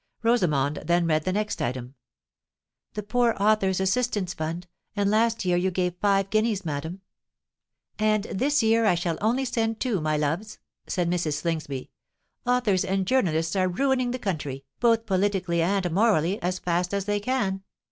Rosamond then read the next item. "The Poor Authors' Assistance Fund; and last year you gave five guineas, madam." "And this year I shall only send two, my loves," said Mrs. Slingsby. "Authors and journalists are ruining the country, both politically and morally, as fast as they can.